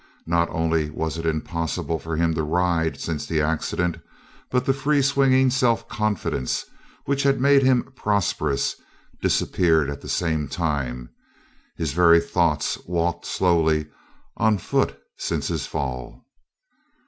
Not only was it impossible for him to ride since the accident, but the freeswinging self confidence which had made him prosperous disappeared at the same time; his very thoughts walked slowly on foot since his fall.